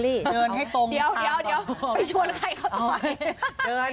เดี๋ยวไปชวนใครเขาต่อย